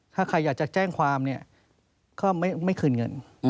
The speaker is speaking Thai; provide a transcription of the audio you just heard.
ถ้าใครอยากจะแจ้งความเนี่ยก็ไม่คืนเงิน